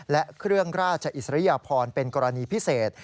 และเครื่องราชอิสริยพรเป็นกรณีพิเศษ